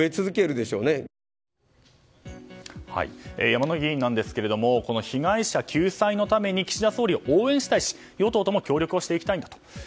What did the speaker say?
山井議員なんですが被害者救済のために岸田総理を応援したいし与党とも協力をしていきたいんだと。